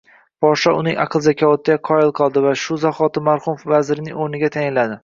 Podshoh uning aql-zakovatiga qoyil qoldi va shu zahoti marhum vazirining o`rniga tayinladi